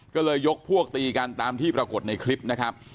ก็เลยยกพวกตีกันตามที่ปรากฏในคลิปนะครับ